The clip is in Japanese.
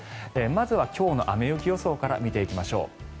まずは今日の雨雪予想から見ていきましょう。